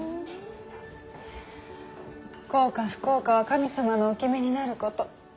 幸か不幸かは神様のお決めになること。